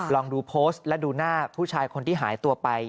ลองดูโพสต์และดูหน้าผู้ชายคนที่หายตัวไป